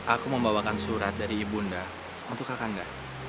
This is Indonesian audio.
aku membawakan surat dari ibunda untuk kakanda